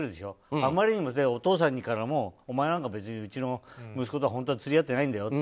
あまりにもお父さんからも、お前なんかうちの息子と本当は釣り合ってないんだよって